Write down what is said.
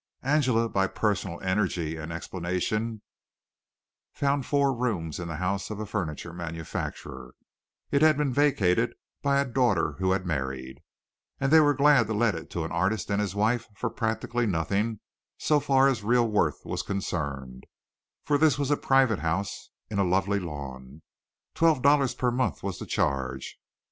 Angela by personal energy and explanation found four rooms in the house of a furniture manufacturer; it had been vacated by a daughter who had married, and they were glad to let it to an artist and his wife for practically nothing so far as real worth was concerned, for this was a private house in a lovely lawn. Twelve dollars per month was the charge.